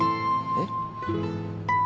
えっ？